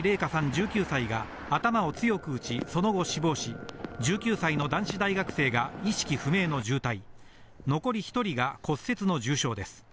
１９歳が頭を強く打ち、その後、死亡し、１９歳の男子大学生が意識不明の重体、残り１人が骨折の重傷です。